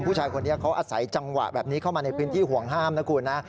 ผู้ชายคนนี้เขาอาศัยจังหวะแบบนี้เข้ามาในพื้นที่ห่วงห้ามนะคุณนะ